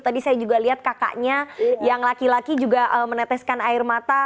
tadi saya juga lihat kakaknya yang laki laki juga meneteskan air mata